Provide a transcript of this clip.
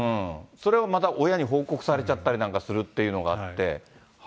それをまた親に報告されちゃったりするなんかっていうのがあって。